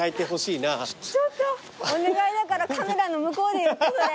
お願いだからカメラの向こうで言ってそれ。